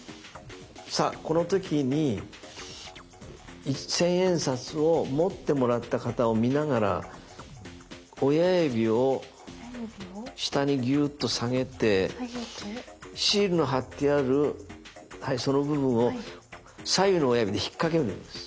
さあこの時に千円札を持ってもらった方を見ながら親指を下にギュッと下げてシールの貼ってあるその部分を左右の親指に引っ掛けるんです。